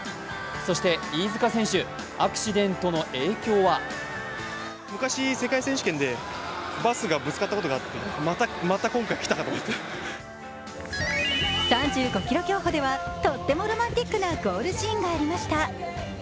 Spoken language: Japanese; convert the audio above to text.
そして飯塚選手、アクシデントの影響は３５ｋｍ競歩ではとってもロマンチックなゴールシーンがありました。